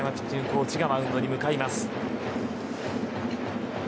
コーチがマウンドに向かいます。